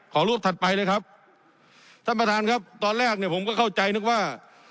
รูปถัดไปเลยครับท่านประธานครับตอนแรกเนี่ยผมก็เข้าใจนึกว่า